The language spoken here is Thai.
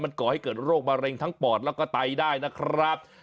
ก่อให้เกิดโรคมะเร็งทั้งปอดแล้วก็ไตได้นะครับ